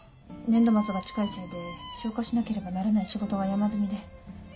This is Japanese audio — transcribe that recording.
年度末が近いせいで消化しなければならない仕事が山積みで。